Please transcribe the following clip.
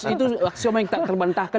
itu aksi yang terbantahkan